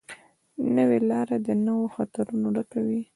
نوې لاره له نویو خطرونو ډکه وي